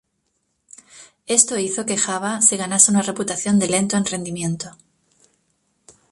Esto hizo que Java se ganase una reputación de lento en rendimiento.